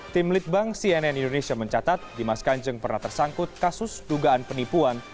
tim litbang cnn indonesia mencatat dimas kanjeng pernah tersangkut kasus dugaan penipuan